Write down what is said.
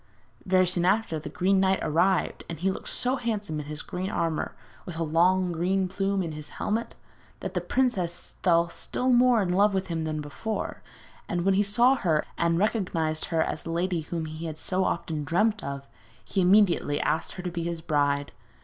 Very soon after the Green Knight arrived, and he looked so handsome in his green armour, with a long green plume in his helmet, that the princess fell still more in love with him than before, and when he saw her, and recognised her as the lady whom he had so often dreamt of, he immediately asked her to be his bride.